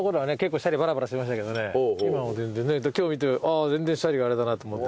今は全然今日見て全然シャリがあれだなと思って。